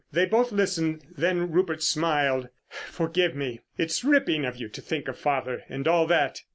They both listened, then Rupert smiled. "Forgive me, it's ripping of you to think of father and all that.